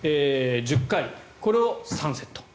１０回、これを３セット。